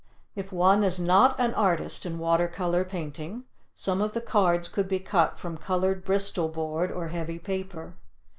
If one is not an artist in water color painting, some of the cards could be cut from colored bristol board or heavy paper.